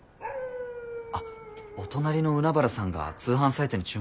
あっお隣の海原さんが通販サイトに注文してくれたみたい。